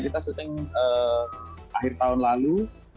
kita syuting akhir tahun lalu